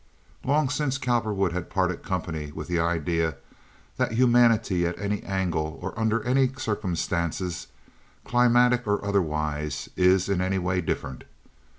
Long since Cowperwood had parted company with the idea that humanity at any angle or under any circumstances, climatic or otherwise, is in any way different.